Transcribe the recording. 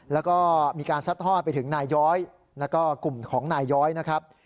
แล้วก็มีการซัดทอดไปถึงนายย้อยแล้วก็กลุ่มของนายย้อยนะครับ